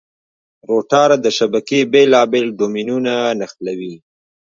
روټر د شبکې بېلابېل ډومېنونه نښلوي.